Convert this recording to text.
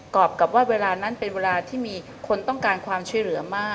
อบกับว่าเวลานั้นเป็นเวลาที่มีคนต้องการความช่วยเหลือมาก